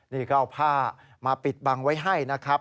นี่ก็เอาผ้ามาปิดบังไว้ให้นะครับ